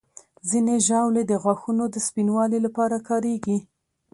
ځینې ژاولې د غاښونو د سپینوالي لپاره کارېږي.